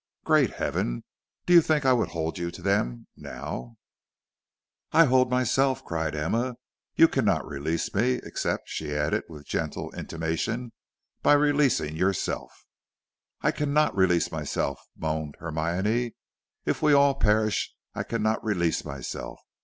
Great heaven! do you think I would hold you to them now?" "I hold myself," cried Emma. "You cannot release me, except," she added, with gentle intimation, "by releasing yourself." "I cannot release myself," moaned Hermione. "If we all perish I cannot release myself.